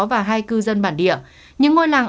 và hai cư dân bản địa những ngôi làng